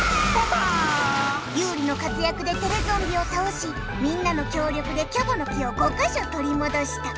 ユウリのかつやくでテレゾンビをたおしみんなのきょうりょくでキョボの木を５かしょとりもどした。